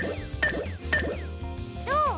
どう？